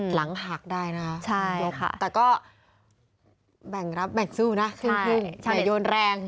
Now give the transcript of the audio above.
หลังหักได้นะคะแต่ก็แบ่งรับแบ่งสู้นะสิ้นอย่าโยนแรง